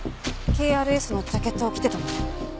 ＫＲＳのジャケットを着てたの？